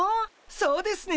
そうですね。